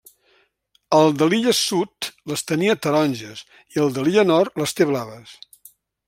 El de l'illa Sud les tenia taronges i el de l'illa Nord les té blaves.